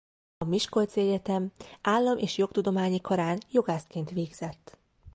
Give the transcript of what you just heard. A Miskolci Egyetem Állam- és Jogtudományi Karán jogászként végzett.